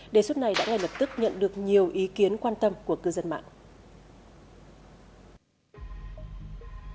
đề xuất này đã ngay lập tức nhận được nhiều ý kiến quan tâm của cư dân mạng